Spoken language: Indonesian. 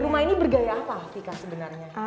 rumah ini bergaya apa vika sebenarnya